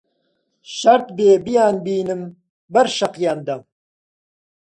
شەرت بێ بیانبینم بەر شەقیان دەم!